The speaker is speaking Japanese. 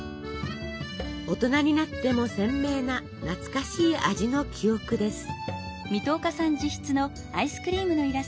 大人になっても鮮明な懐かしい味の記憶です。